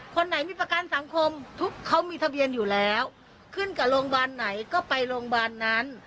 คนไหนมีประกันสังคมทุกเขามีทะเบียนอยู่แล้วขึ้นกับโรงพยาบาลไหนก็ไปโรงพยาบาลนั้น